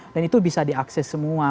dan itu bisa diakses semua